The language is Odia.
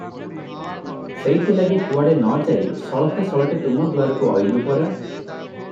ସେଇଥିଲାଗି କୁଆଡ଼େ ନ ଯାଇ ସଳଖେ ସଳଖେ ତୁମ ଦୁଆରକୁ ଅଇଲୁଁ ପରା!